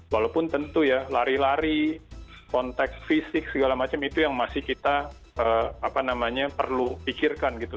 walaupun tentu ya lari lari konteks fisik segala macam itu yang masih kita perlu pikirkan gitu